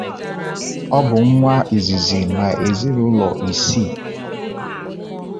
Ọ bụ nwa izizi n’ezinaụlọ isii.